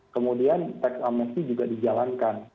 kemudian tax amnesty juga dijalankan